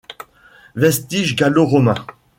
Vestiges gallo-romains.